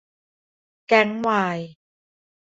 แก๊งวาย